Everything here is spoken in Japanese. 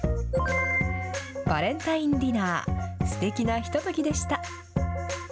バレンタインディナーすてきなひとときでした。